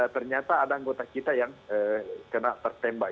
ternyata ada anggota kita yang kena tertembak